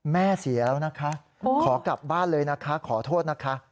แม่เสียแล้วนะคะขอกลับบ้านเลยนะคะขอโทษนะคะ